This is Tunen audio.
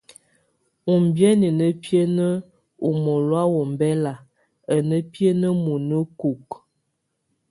Ubien a nábien oŋómolóawombɛlak a nábiene muenekuk.